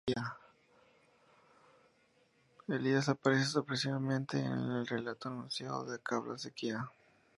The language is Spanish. Elías aparece sorpresivamente en el relato anunciando a Acab la sequía.